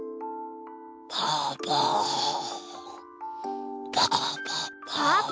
パパパパパパパ。